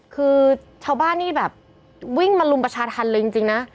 คือชาวบ้านนี่แบบวิ่งมาลุมประชาธรรมเลยจริงนะ